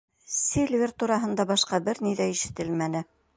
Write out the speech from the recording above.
Сильвер тураһында башҡаса бер ни ҙә ишетелмәне.